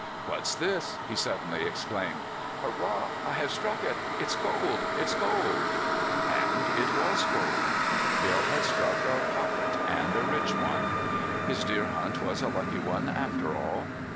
" What 's this ?" he suddenly exclaimed. " Hur rah ! I have struck it ! It 's gold ! It 's gold !" And so it was gold. Bill had struck a " pocket," and a rich one. His deer hunt was a lucky one after all.